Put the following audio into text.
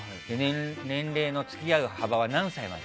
年齢の付き合える幅は何歳まで？